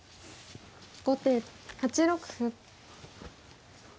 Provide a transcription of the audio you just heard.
後手８六歩。